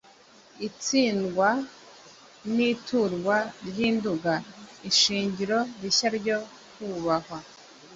Itsindwa n’iturwa ry’i Nduga ishingiro rishya ryo kubahwa